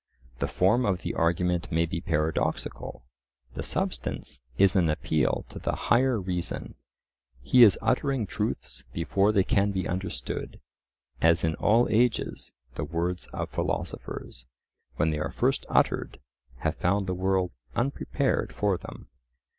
The form of the argument may be paradoxical; the substance is an appeal to the higher reason. He is uttering truths before they can be understood, as in all ages the words of philosophers, when they are first uttered, have found the world unprepared for them.